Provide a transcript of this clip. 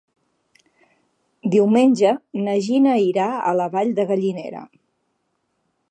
Diumenge na Gina irà a la Vall de Gallinera.